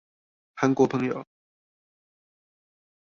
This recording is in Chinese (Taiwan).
韓國朋友